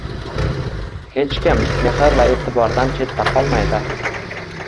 Hech kim mehr va e’tibordan chetda qolmaydi